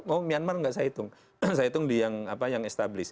oh myanmar enggak saya hitung saya hitung di yang apa yang established